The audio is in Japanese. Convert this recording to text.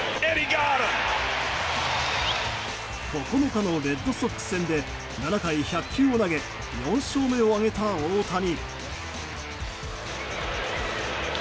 ９日のレッドソックス戦で７回１００球を投げ４勝目を挙げた大谷。